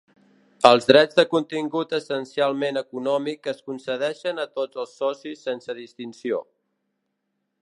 Els drets de contingut essencialment econòmic es concedeixen a tots els socis sense distinció.